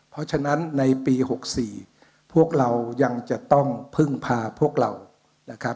เพราะฉะนั้นในปี๖๔พวกเรายังจะต้องพึ่งพาพวกเรานะครับ